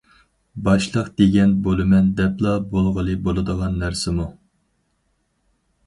باشلىق دېگەن بولىمەن دەپلا بولغىلى بولىدىغان نەرسىمۇ؟ !